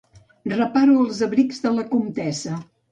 Reparo els abrics de la comtessa.